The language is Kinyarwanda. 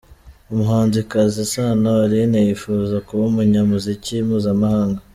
Umuhanzikazi Sano Alyn yifuza kuba umunyamuziki mpuzamahanga.